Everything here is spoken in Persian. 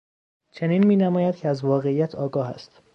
چنین مینماید که از واقعیت آگاه است.